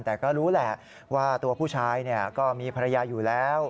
แต่ก็รู้แหละว่าตัวผู้ชายก็มีภรรยาอยู่แล้ว